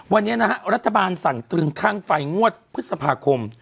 วันนี้นะฮะรัฐบาลสั่งตรึงค่าไฟงวดพฤษภาคม